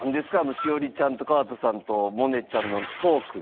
栞里ちゃんと川田さんと萌音ちゃんのトーク。